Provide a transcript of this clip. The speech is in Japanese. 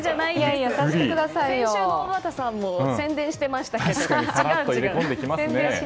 先週の尾形さんも宣伝してましたけど。